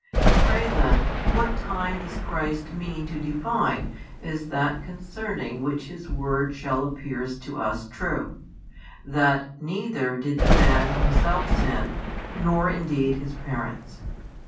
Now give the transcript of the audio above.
Pray then, what time does Christ mean to define as that concerning which His word shall appears to us true, that neither did the man himself sin, nor indeed his parents?